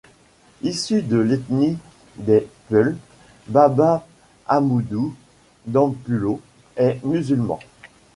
Issu de l'ethnie des Peuls, Baba Ahmadou Danpullo est musulman.